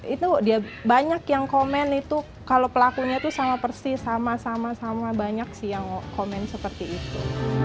itu dia banyak yang komen itu kalau pelakunya itu sama persis sama sama sama banyak sih yang komen seperti itu